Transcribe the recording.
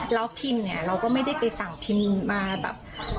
แล้วพิมเนี่ยเราก็ไม่ได้ไปสั่งพิมพ์มาแบบ